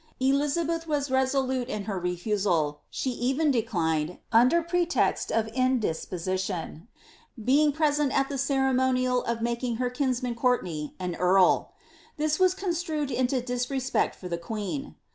Eliza beth was resolute in her refusal ; she even declined, under pretext of in disposition, being present at the ceremonial of making her kinsman Courtenay an earl. This was construed into disrespect for the queen.